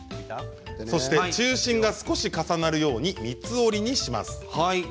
そして中心が少し重なるように三つ折りにします。